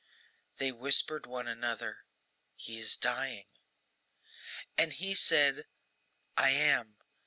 They whispered one another, 'He is dying.' And he said, 'I am.